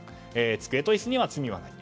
机と椅子には罪はない。